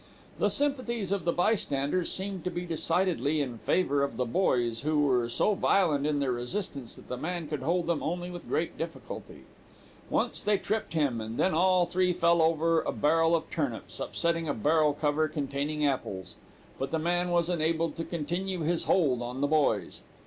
"The sympathies of the bystanders seemed to be decidedly in favor of the boys, who were so violent in their resistance that the man could hold them only with great difficulty. Once they tripped him, and then all three fell over a barrel of turnips, upsetting a barrel cover containing apples; but the man was enabled to continue his hold on the boys.